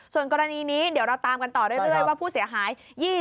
ส่วนกรณีนี้เดี๋ยวเราตามกันต่อเรื่อยว่าผู้เสียหาย